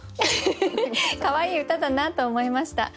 かわいい歌だなと思いました。